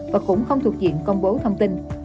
và cũng không thuộc diện công bố thông tin